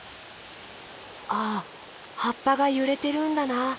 あはっぱがゆれてるんだな。